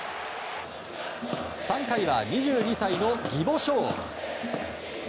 ３回は２２歳の宜保翔。